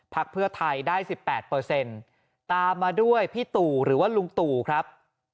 เพื่อไทยได้๑๘ตามมาด้วยพี่ตู่หรือว่าลุงตู่ครับ